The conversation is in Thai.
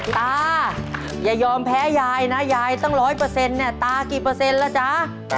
ตาอย่ายอมแพ้ยายนะยายต้อง๑๐๐เนี่ยตากี่เปอร์เซ็นต์แล้วจ้า